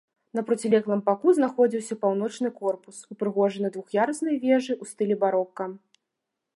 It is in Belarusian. На процілеглым баку знаходзіўся паўночны корпус, упрыгожаны двух'яруснай вежай у стылі барока.